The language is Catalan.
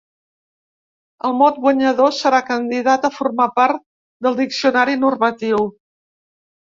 El mot guanyador serà candidat a formar part del diccionari normatiu.